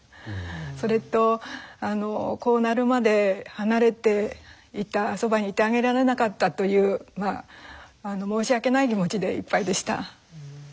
それとこうなるまで離れていたそばにいてあげられなかったという申し訳ない気持ちでいっぱいでした。